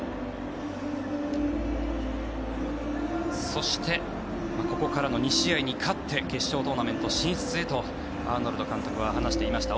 そしてここからの２試合に勝って決勝トーナメント進出へとアーノルド監督は話していました。